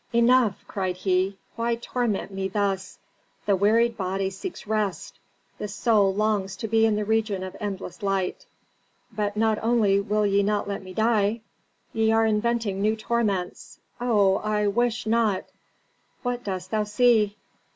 "Enough!" cried he, "why torment me thus? The wearied body seeks rest, the soul longs to be in the region of endless light. But not only will ye not let me die; ye are inventing new torments. Oh, I wish not " "What dost thou see?"